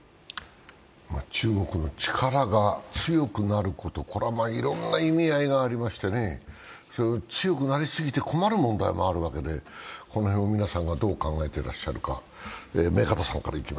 中国の力が強くなること、これはいろんな意味合いがありましてね、強くなりすぎて困る問題もあるわけでこの辺を皆さんはどう考えていらっしゃるか。